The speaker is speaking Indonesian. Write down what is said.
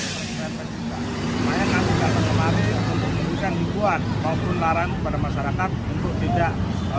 semuanya akan datang kemari untuk membuat maupun laran kepada masyarakat untuk tidak